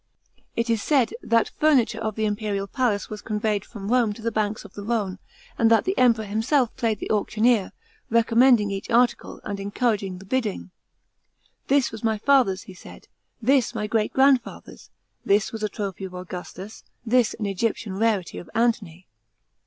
It is said, that furniture of the imperial palace was conveyed from Rome to the banks of the Rhone, and that the Emperor himself played the auctioneer, recommending each article and encouraging the bidding. " This was my father's," he said, " this my great grandfather's ; this was a trophy of Augustus ; this an Egyptian rarity of Antony."